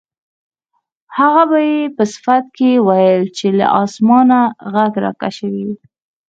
هغه به یې په صفت کې ویل چې له اسمانه غږ راکشوي.